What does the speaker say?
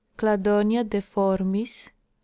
Cladonia deformis, (L.)